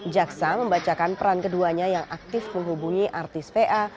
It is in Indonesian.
jaksa membacakan peran keduanya yang aktif menghubungi artis va